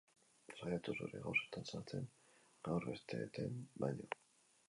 Saiatu zure gauzetan sartzen gaur besteenetan baino.